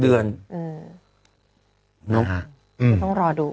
๖เดือนต้องรอดู